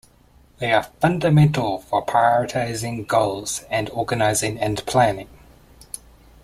They are fundamental for prioritizing goals and organizing and planning.